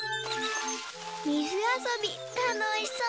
みずあそびたのしそう！